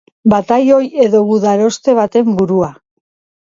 Batailoi edo gudaroste baten burua.